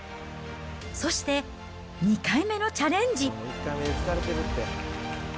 そして、２回目のチャレンジ。